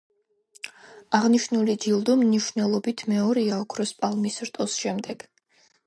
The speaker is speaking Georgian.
აღნიშნული ჯილდო მნიშვნელობით მეორეა ოქროს პალმის რტოს შემდეგ.